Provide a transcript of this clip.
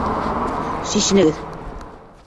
Сисенегеҙ!